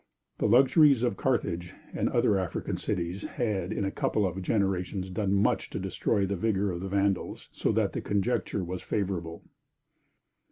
The luxuries of Carthage and the other African cities had in a couple of generations done much to destroy the vigor of the Vandals, so that the conjuncture was favorable.